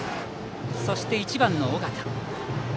そして、１番の緒方。